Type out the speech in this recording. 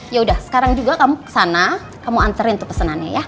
yaudah sekarang juga kamu kesana kamu anterin tuh pesenannya ya